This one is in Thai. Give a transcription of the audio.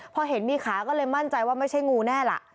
พอเห็นมีขาก็เลยมั่นใจว่าไม่ใช่งูแน่ล่ะ